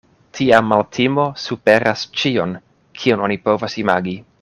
Tia maltimo superas ĉion, kion oni povas imagi.